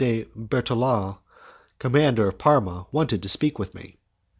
de Bertolan, Commander of Parma, wanted to speak to me.